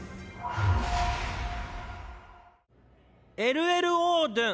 「Ｌ．Ｌ．オードゥン。